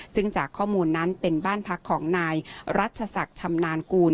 ซึ่งจากข้อมูลนั้นเป็นบ้านพักของนายรัชศักดิ์ชำนาญกูล